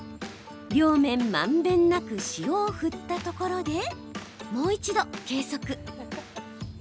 両面まんべんなく塩を振ったところでもう一度計測。